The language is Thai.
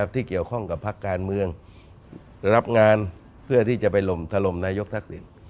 ที่เกี่ยวข้องกับพักการเมืองรับงานเพื่อที่จะไปหล่มถล่มนายกทักษิณ